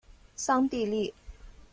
桑蒂利。